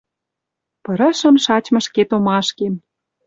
Пырышым шачмы ӹшке томашкем